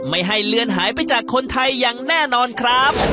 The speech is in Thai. ไม่ให้เลือนหายไปจากคนไทยอย่างแน่นอนครับ